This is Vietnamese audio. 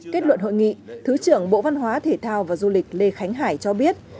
kết luận hội nghị thứ trưởng bộ văn hóa thể thao và du lịch lê khánh hải cho biết